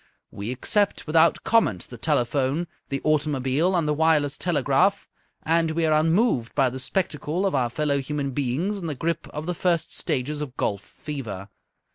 We accept without comment the telephone, the automobile, and the wireless telegraph, and we are unmoved by the spectacle of our fellow human beings in the grip of the first stages of golf fever.